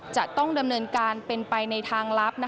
จะต้องดำเนินการเป็นไปในทางลับ